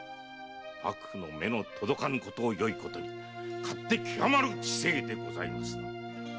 幕府の目が届かぬことをよいことに勝手きわまる治政でございますな〕